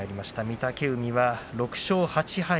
御嶽海は６勝８敗。